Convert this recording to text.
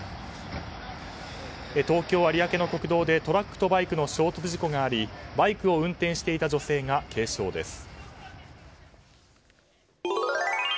東京・有明の国道でトラックとバイクの衝突事故がありバイクを運転していた女性が軽傷です。